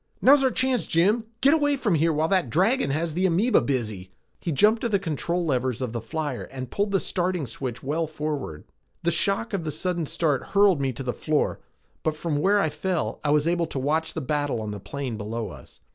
"Now's our chance, Jim!" I cried. "Get away from here while that dragon has the amoeba busy!" He jumped to the control levers of the flyer and pulled the starting switch well forward. The shock of the sudden start hurled me to the floor, but from where I fell I was able to watch the battle on the plain below us.